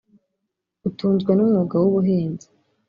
utunzwe n’umwuga w’ubuhizi